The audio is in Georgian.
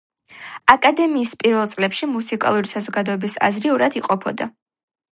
აკადემიის პირველ წლებში მუსიკალური საზოგადოების აზრი ორად იყოფოდა.